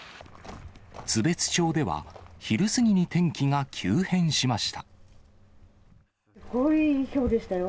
津別町では、昼過ぎに天気が急変すごいひょうでしたよ。